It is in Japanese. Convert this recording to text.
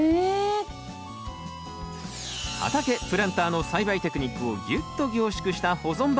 畑プランターの栽培テクニックをギュッと凝縮した保存版。